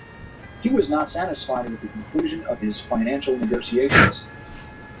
He was not satisfied with the conclusion of his financial negotiations.